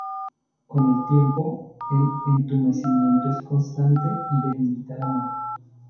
Con el tiempo el entumecimiento es constante y debilita la mano.